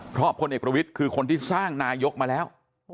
เพราะพลเอกประวิทย์คือคนที่สร้างนายกมาแล้ว